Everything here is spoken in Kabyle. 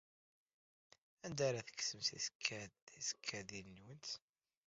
Anda ay tekksemt tisekkadin-nwent?